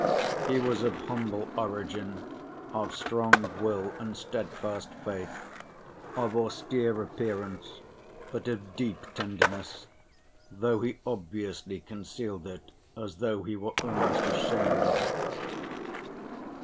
He was of humble origin, of strong will and steadfast faith, of austere appearance, but of deep tenderness, though he obviously concealed it as though he were almost ashamed of it.